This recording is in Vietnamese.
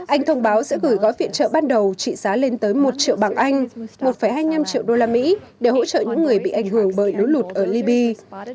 anh thông báo sẽ gửi gói viện trợ ban đầu trị giá lên tới một triệu bảng anh một hai mươi năm triệu đô la mỹ để hỗ trợ những người bị ảnh hưởng bởi lũ lụt ở libya